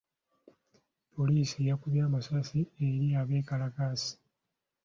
Poliisi yakubye amasasi eri abeekalakaasi.